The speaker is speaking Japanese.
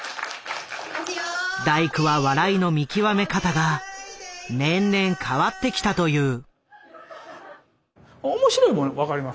大工は笑いの見極め方が年々変わってきたという。